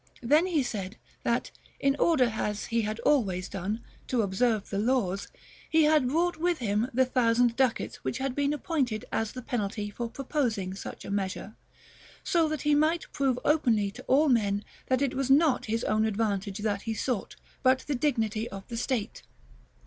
Then he said, that 'in order, as he had always done, to observe the laws,... he had brought with him the thousand ducats which had been appointed as the penalty for proposing such a measure, so that he might prove openly to all men that it was not his own advantage that he sought, but the dignity of the state.'"